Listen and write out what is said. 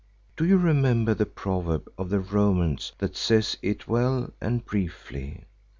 Do you remember the proverb of the Romans that says it well and briefly?"